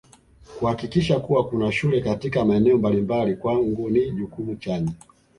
Kuhakikisha kuwa kuna shule katika maeneo mbalimbali kwangu ni jukumu chanya